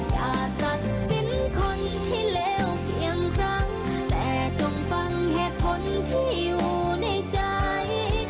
อย่าตัดสินคนที่แล้วเพียงครั้งแต่จงฟังเหตุผลที่อยู่ในใจ